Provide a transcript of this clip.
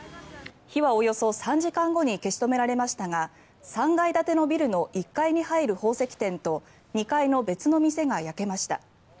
火はおよそ３時間後に消し止められましたが３階建てのビルの１階に入る宝石店と２階の別の店が焼けました。